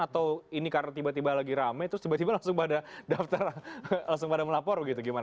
atau ini karena tiba tiba lagi rame terus tiba tiba langsung pada daftar langsung pada melapor gitu gimana